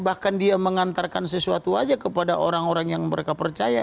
bahkan dia mengantarkan sesuatu saja kepada orang orang yang mereka percaya